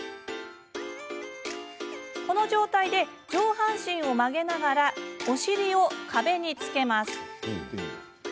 この状態で上半身を曲げながらお尻を壁につけます。